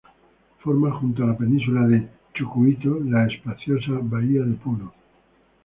Forma, junto a la península de Chucuito, la espaciosa bahía de Puno.